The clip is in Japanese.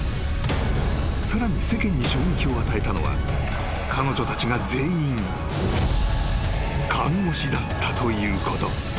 ［さらに世間に衝撃を与えたのは彼女たちが全員看護師だったということ］